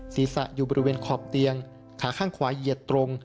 ศีรษะอยู่บริเวณขอบเตียงขาข้างขวาเหยียดตรง